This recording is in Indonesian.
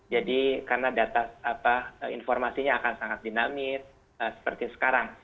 jadi karena data informasinya akan sangat dinamis seperti sekarang